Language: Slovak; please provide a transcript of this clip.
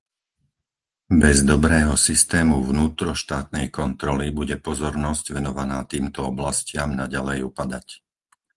Bez dobrého systému vnútroštátnej kontroly bude pozornosť venovaná týmto oblastiam naďalej upadať.